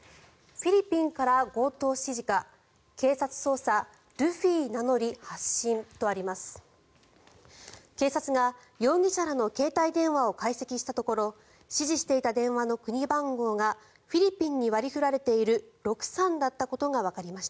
フィリピンから強盗指示か警察捜査、ルフィ名乗り発信とあります。